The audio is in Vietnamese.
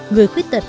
người khuyết tật